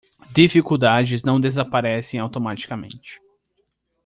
Dificuldades não desaparecem automaticamente